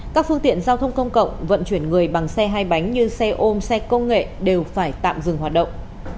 các phương tiện giao thông công cộng vận chuyển người bằng xe hai bánh như xe ôm xe công nghệ đều phải tạm dừng hoạt động